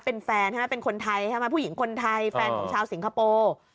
เป็นแฟนใช่ไหมเป็นคนไทยใช่ไหมผู้หญิงคนไทยแฟนของชาวสิงคโปร์